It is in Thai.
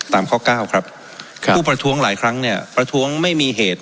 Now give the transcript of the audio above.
ตามข้อเก้าครับผู้ประท้วงหลายครั้งเนี่ยประท้วงไม่มีเหตุ